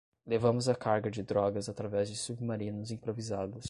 Levamos a carga de drogas através de submarinos improvisados